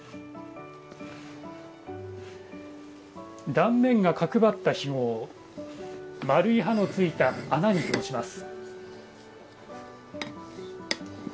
断面が角張ったひごを丸い刃のついた穴に通します。